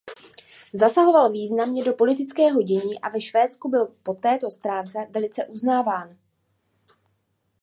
Zasahoval významně do politického dění a ve Švédsku byl po této stránce velice uznáván.